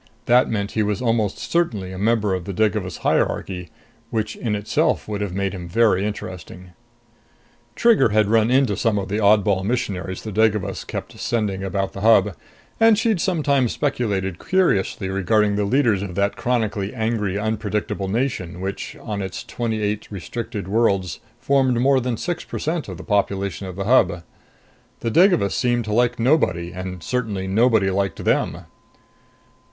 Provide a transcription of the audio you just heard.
That meant he was almost certainly a member of the Devagas hierarchy, which in itself would have made him very interesting. Trigger had run into some of the odd ball missionaries the Devagas kept sending about the Hub; and she'd sometimes speculated curiously regarding the leaders of that chronically angry, unpredictable nation which, on its twenty eight restricted worlds, formed more than six percent of the population of the Hub. The Devagas seemed to like nobody; and certainly nobody liked them.